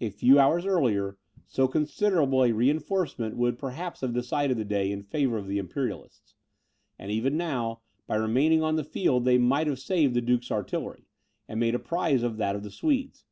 A few hours earlier, so considerable a reinforcement would perhaps have decided the day in favour of the Imperialists; and, even now, by remaining on the field, they might have saved the duke's artillery, and made a prize of that of the Swedes.